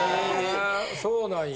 そうなんや。